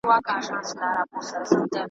پخپل ټول ژوند کي